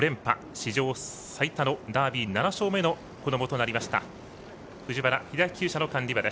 史上最多のダービー７勝目の子どもとなりました。